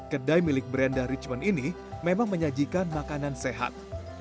kedai milik brenda richwan ini memang menyajikan makanan sehat